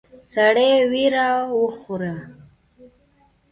سړی وېره وخوړه.